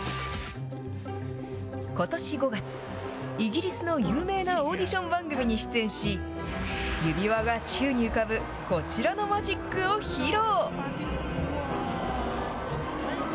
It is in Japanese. ことし５月、イギリスの有名なオーディション番組に出演し、指輪が宙に浮かぶこちらのマジックを披露。